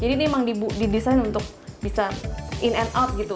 jadi ini emang didesain untuk bisa in and out gitu